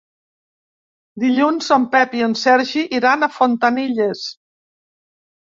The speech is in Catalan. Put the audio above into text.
Dilluns en Pep i en Sergi iran a Fontanilles.